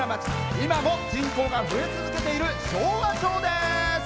今も人口が増え続けている昭和町です。